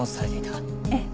ええ。